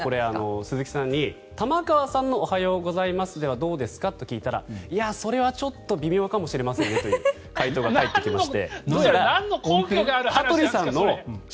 鈴木さんに、玉川さんのおはようございますではどうですか？と聞いたらいや、それはちょっと微妙かもしれませんねという回答が返ってきまして。